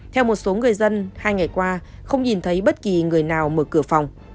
theo một số người dân hai ngày qua không nhìn thấy bất kỳ người nào mở cửa phòng